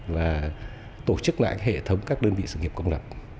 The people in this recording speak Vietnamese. và tổ chức lại hệ thống các đơn vị sự nghiệp công lập